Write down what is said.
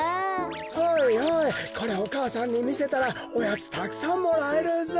はいはいこりゃお母さんにみせたらおやつたくさんもらえるぞ。